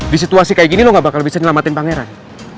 di situasi kayak gini lo gak bakal bisa nyelamatin pangeran